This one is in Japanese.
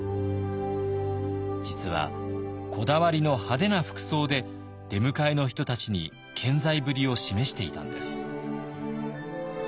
実はこだわりの派手な服装で出迎えの人たちに健在ぶりを示していたんです。